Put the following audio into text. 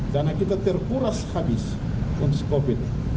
karena kita terpuras habis untuk covid sembilan belas